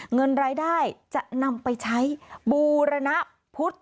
เงินรายได้จะนำไปใช้บูรณพุทธ